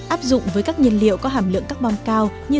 áp dụng với các nhân liệu có hàm lượng carbon cao như dầu mỏ và khí tự nhiên